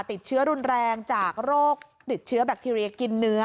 ติดเชื้อรุนแรงจากโรคติดเชื้อแบคทีเรียกินเนื้อ